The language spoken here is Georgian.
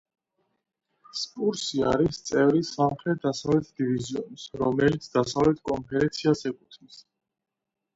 სპურსი არის წევრი სამხრეთ-დასავლეთ დივიზიონის, რომელიც დასავლეთ კონფერენციას ეკუთვნის.